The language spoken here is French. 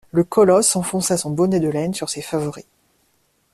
Le colosse enfonça son bonnet de laine sur ses favoris.